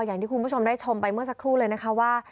อย่างที่คุณผู้ชมได้ชมไปเมื่อสักครู่เลยนะคะว่า